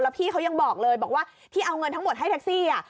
พี่เขายังบอกเลยบอกว่าที่เอาเงินทั้งหมดให้แท็กซี่